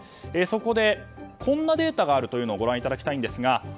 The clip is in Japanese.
そこで、こんなデータがあるのをご覧いただきます。